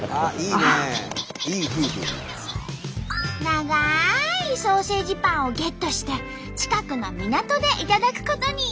長いソーセージパンをゲットして近くの港で頂くことに。